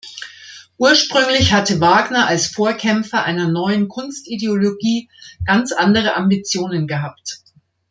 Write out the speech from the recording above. Ursprünglich hatte Wagner als Vorkämpfer einer neuen Kunst-Ideologie ganz andere Ambitionen gehabt.